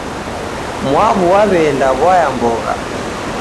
Mwaawu waweenda waya mbogha